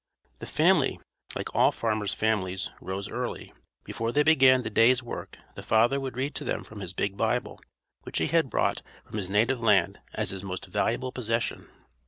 The family, like all farmers' families, rose early. Before they began the day's work the father would read to them from his big Bible, which he had brought from his native land as his most valuable possession.